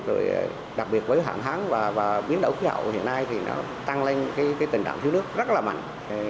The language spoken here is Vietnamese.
rồi đặc biệt với hạn hán và biến đổi khí hậu hiện nay thì nó tăng lên cái tình trạng thiếu nước rất là mạnh